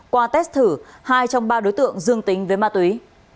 qua test thử hai trong ba đối tượng dương tính với ma túy